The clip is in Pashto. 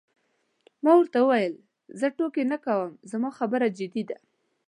ما ورته وویل: زه ټوکې نه کوم، زما خبره جدي ده.